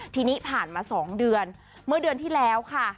ทีนี้ผ่านมา๒เดือนเมื่อเดือนที่แล้วค่ะ